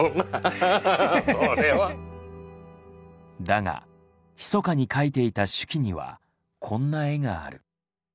だが密かに書いていた手記にはこんな絵がある。